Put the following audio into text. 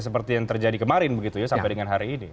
seperti yang terjadi kemarin begitu ya sampai dengan hari ini